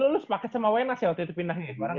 lu sepaket sama wenas ya waktu itu pindahin